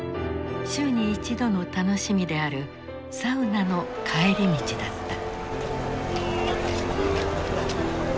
週に一度の楽しみであるサウナの帰り道だった。